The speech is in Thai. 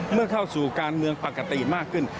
เมื่อเข้าสู่การเมืองปกติมากขึ้น